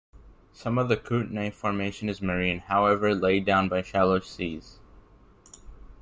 Some of the Kootenai Formation is marine, however, laid down by shallow seas.